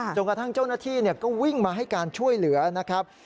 จนกระทั่งเจ้าหน้าที่ก็วิ่งมาให้การช่วยเหลือนะครับ